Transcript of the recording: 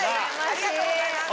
ありがとうございます。